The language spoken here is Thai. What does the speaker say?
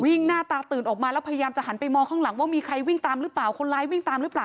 วิ่งหน้าตาตื่นออกมาแล้วพยายามจะหันไปมองข้างหลังว่ามีใครวิ่งตามหรือเปล่า